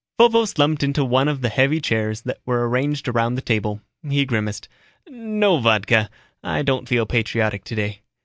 Vovo slumped into one of the heavy chairs that were arranged around the table. He grimaced, "No vodka, I don't feel patriotic today.